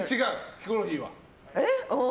ヒコロヒーは。